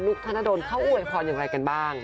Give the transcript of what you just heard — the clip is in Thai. นุ๊กธนดรเข้าอู่ไอพรอย่างไรกันบ้าง